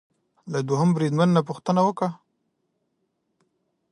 له دوهم بریدمن نه وپوښته